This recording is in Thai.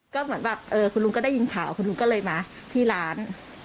ก็เหมือนแบบคุณลุงก็ได้ยินข่าวคุณลุงก็เลยมาที่ร้าน